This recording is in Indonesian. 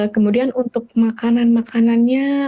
kemudian untuk makanan makanannya